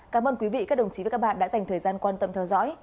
cảm ơn quý vị các đồng chí và các bạn đã dành thời gian quan tâm theo dõi